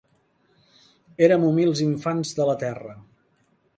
Erem humils infants de la terra.